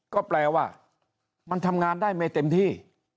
ก็แปลว่ามันทำงานได้ไม่เต็มที่